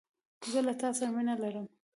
زه له تا سره مینه لرم